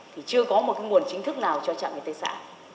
thì chưa có một nguồn chính thức nào cho trạm y tế xã